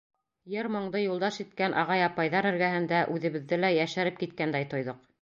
Йыр-моңдо юлдаш иткән ағай-апайҙар эргәһендә үҙебеҙҙе лә йәшәреп киткәндәй тойҙоҡ.